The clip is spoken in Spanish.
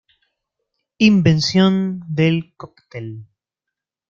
Invención del coctel.